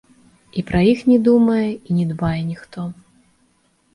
І пра іх не думае і не дбае ніхто.